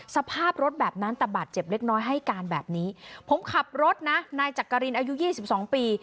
สภาพรถแบบนั้นแต่บาดเจ็บเล็กน้อยให้การแบบนี้ผมขับรถนะนายจักรินอายุ๒๒ปี